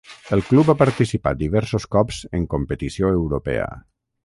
El club ha participat diversos cops en competició europea.